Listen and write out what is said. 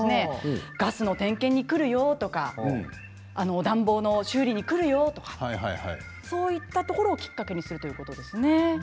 ガスの点検に来るとか暖房の修理に来るとかそれをきっかけにするということですね。